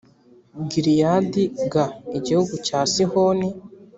gileyadi g igihugu cya sihoni